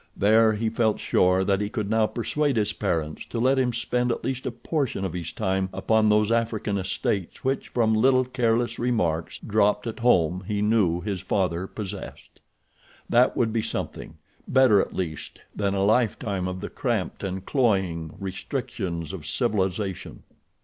There he felt sure that he could now persuade his parents to let him spend at least a portion of his time upon those African estates which from little careless remarks dropped at home he knew his father possessed. That would be something, better at least than a lifetime of the cramped and cloying restrictions of civilization.